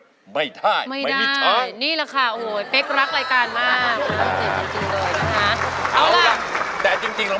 เขาก็เลยเห็นโอ้ไม่ได้เราจะให้คนพวกนี้กลับบ้านมื้อเปล่าหรือ